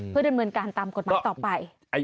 เพื่อดำเนินการตามกฎหมายต่อไป